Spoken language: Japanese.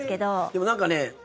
でも、なんかね